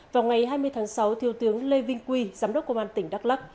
vào ngày hai mươi tháng sáu thiếu tướng lê vinh quy giám đốc công an tỉnh đắk lắc